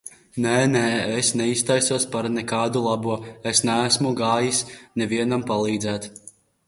Nē, nē es neiztaisos par nekādu labo. Es neesmu gājusi nevienam palīdzēt.